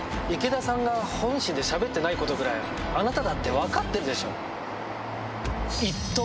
池田さんが本心でしゃべってないことぐらいあなただって分かってるでしょ！